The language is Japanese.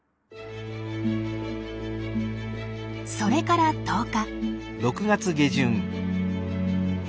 それから１０日。